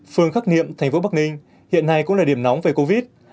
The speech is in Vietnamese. phương khắc nghiệm thành phố bắc ninh hiện nay cũng là điểm nóng về covid